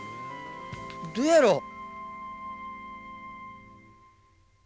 どうやろう？